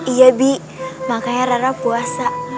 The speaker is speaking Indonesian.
iya bi makanya rana puasa